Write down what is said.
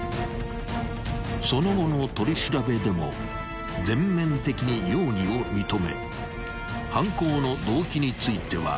［その後の取り調べでも全面的に容疑を認め犯行の動機については］